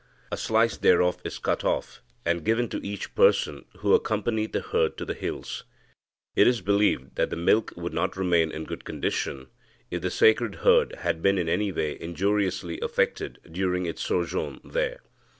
A slice thereof is cut off, and given to each person who accompanied the herd to the hills. It is believed that the milk would not remain in good condition, if the sacred herd had been in any way injuriously affected during its sojourn there.